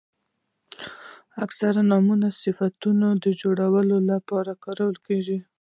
نوم اکثره د صفتونو د جوړولو له پاره کاریږي.